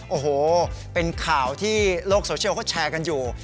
โอ้โหเป็นข่าวที่โลกโซเชียลเขาแชร์กันอยู่